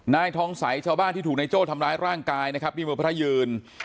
นายทองใสชาวบ้านที่ถูกนายโจ้ทำร้ายร่างกายนะครับที่เมืองพระยืน